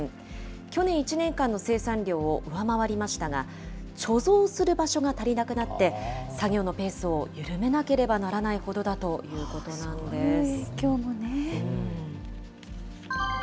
去年１年間の生産量を上回りましたが、貯蔵する場所が足りなくなって、作業のペースを緩めなければならないほどだということなんそういう影響もね。